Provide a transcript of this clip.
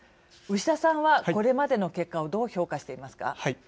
牛田さんは、これまでの結果をどう評価していますか。